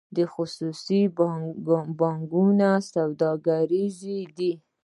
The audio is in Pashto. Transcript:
خصوصي بانکونه سوداګریز دي